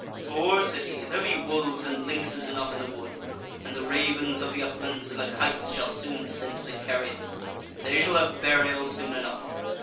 "For," said he, "there be wolves and lynxes enough in the wood, and the ravens of the uplands, and the kites shall soon scent the carrion. They shall have burial soon enough.